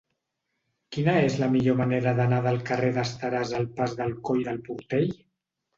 Quina és la millor manera d'anar del carrer d'Esteràs al pas del Coll del Portell?